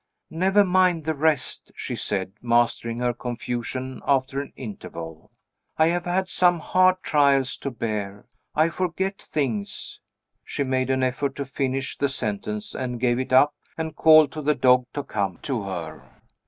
"Never mind the rest," she said, mastering her confusion after an interval. "I have had some hard trials to bear; I forget things " she made an effort to finish the sentence, and gave it up, and called to the dog to come to her.